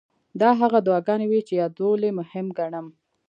دا هغه دعاګانې وې چې یادول یې مهم ګڼم.